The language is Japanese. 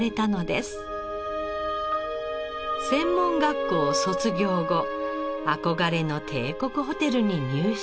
専門学校を卒業後憧れの帝国ホテルに入社。